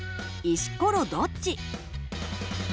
「石ころどっち？」